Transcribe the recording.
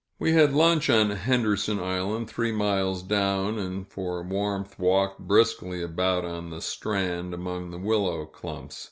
We had lunch on Henderson Island, three miles down, and for warmth walked briskly about on the strand, among the willow clumps.